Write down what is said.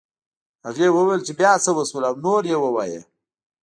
هغې وویل چې بيا څه وشول او نور یې ووایه